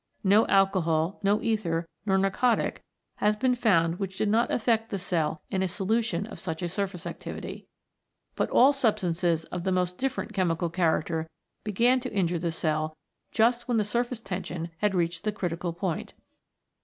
No alcohol, no ether nor narcotic has been found which did not affect the cell in a solution of such a surface activity. But all sub stances of the most different chemical character began to injure the cell just when the surface tension had reached the critical point.